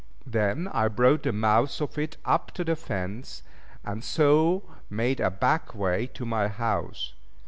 Then I brought the mouth of it up to the fence, and so made a back way to my house.